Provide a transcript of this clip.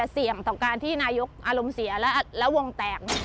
เสี่ยงต่อการที่นายกอารมณ์เสียแล้ววงแตก